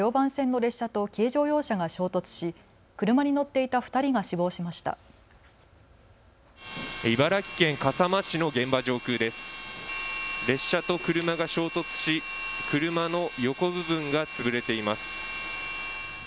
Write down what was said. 列車と車が衝突し車の横部分が潰れています。